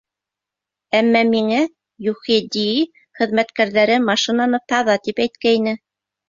Әммә миңә ЮХХДИ хеҙмәткәрҙәре машинаны «таҙа» тип әйткәйне.